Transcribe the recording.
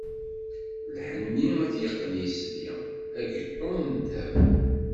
Lḥenni ad t-yeqqen yisli, ageṭṭum n dheb.